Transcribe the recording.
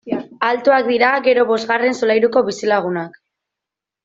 Altuak dira gero bosgarren solairuko bizilagunak!